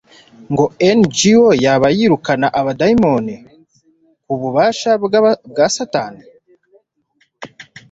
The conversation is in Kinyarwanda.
ko nGo yaba yirukana abadayimoni kubw'ububasha bwa Satani.